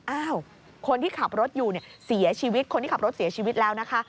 อ้าวคนที่ขับรถอยู่เนี่ยเสียชีวิตคนที่ขับรถเสียชีวิตแล้วนะคะ